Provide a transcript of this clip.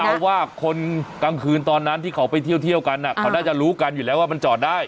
เพราะว่าคนกลางคืนตอนนั้นที่เขาไปเที่ยวกันเขาน่าจะรู้กันอยู่แล้วว่ามันจอดได้